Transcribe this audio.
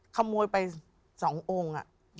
ขโมยไปสององค์อ่ะ